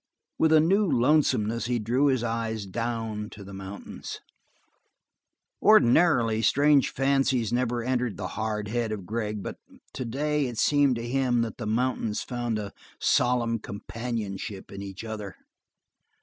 With a new lonesomeness he drew his eyes down to the mountains. Ordinarily, strange fancies never entered the hard head of Gregg, but today it seemed to him that the mountains found a solemn companionship in each other.